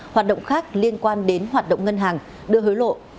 hoạt động khác liên quan đến hoạt động ngân hàng đưa hối lộ